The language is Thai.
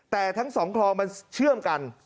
แต่ทั้งสองคลองมันเชื่อมกัน